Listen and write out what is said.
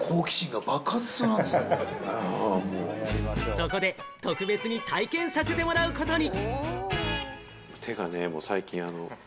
そこで特別に体験させてもらうことに。